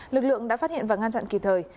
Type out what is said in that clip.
lực lượng đã phát hiện và ngăn chặn kịp thời